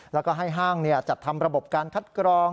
แล้วก็ให้ห้างจัดทำระบบการคัดกรอง